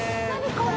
これ。